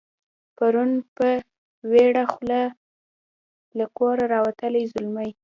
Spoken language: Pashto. پرون په ویړه خوله له کوره راوتلی زلمی